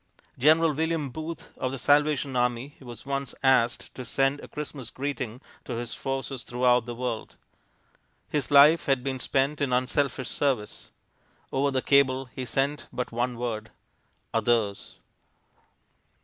General William Booth of the Salvation Army was once asked to send a Christmas greeting to his forces throughout the world. His life had been spent in unselfish service; over the cable he sent but one word OTHERS.